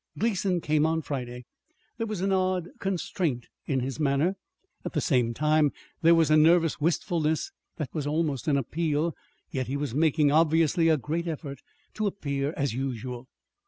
Gleason came on Friday. There was an odd constraint in his manner. At the same time there was a nervous wistfulness that was almost an appeal. Yet he was making, obviously, a great effort to appear as usual.